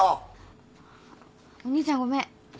お兄ちゃんごめん。